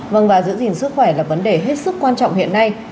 vâng và giữ gìn sức khỏe là vấn đề hết sức quan trọng hiện nay